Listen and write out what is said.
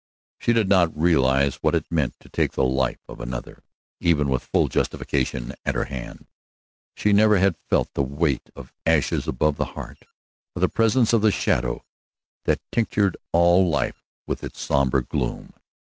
She did not realize what it meant to take the life of another, even with full justification at her hand; she never had felt that weight of ashes above the heart, or the presence of the shadow that tinctured all life with its somber gloom.